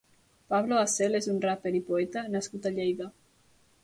Pablo Hasél és un raper i poeta nascut a Lleida.